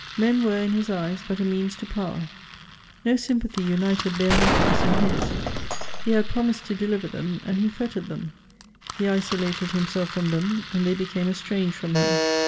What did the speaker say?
Men were in his eyes but a means to power ; no sympathy united their happiness and his : he had promised to deliver them, and he fettered them ; he isolated himself from them, and they became estranged from him.